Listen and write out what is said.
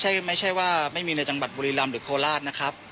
ไม่ใช่ว่าไม่มีในจังหวัดบุรีรำหรือโคราชนะครับ